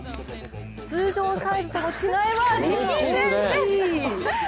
通常サイズとの違いは歴然です。